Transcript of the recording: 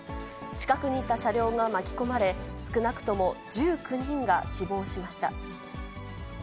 近くにいた車両が巻き込まれ、少なくとも１９人が死亡しました。